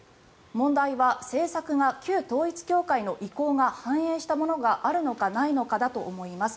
問題は政策が旧統一教会の意向が反映したものがあるのか、ないのかだと思います。